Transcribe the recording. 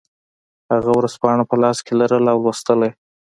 هغه ورځپاڼه په لاس کې لرله او لوستله یې